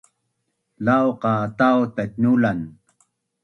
Lau qa tau taitnulan